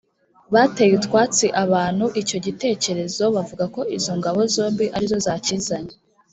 bateye utwatsi abantu icyo gitekerezo bavuga ko izo ngabo zombi arizo zakizanye